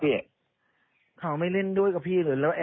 เพราะว่าตอนแรกมีการพูดถึงนิติกรคือฝ่ายกฎหมาย